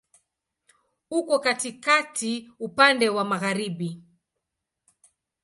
Uko katikati, upande wa magharibi.